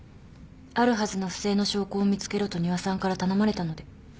あるはずの不正の証拠を見つけろと仁和さんから頼まれたので。